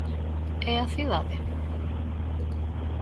E a cidade?